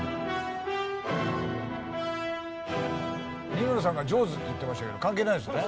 三村さんが『ＪＡＷＳ』って言ってましたけど関係ないですよね？